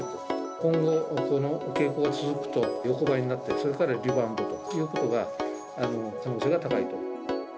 今後、この傾向が続くと、横ばいになって、それからリバウンドということが、可能性が高いと。